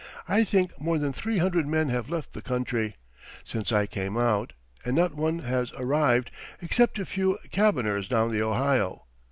I think more than three hundred men have left the country since I came out, and not one has arrived, except a few cabiners down the Ohio.